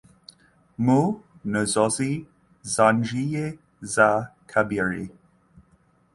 Mu nzozi zanjye za kabiri